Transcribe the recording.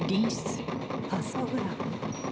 パソグラフ。